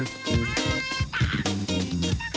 สวัสดีค่ะ